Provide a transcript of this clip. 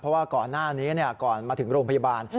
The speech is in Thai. เพราะว่าก่อนหน้านี้ก่อนมาถึงโรงพยาบาล